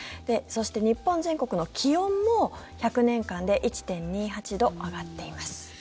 そして日本全国の気温も１００年間で１．２８度上がっています。